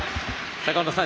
坂本さん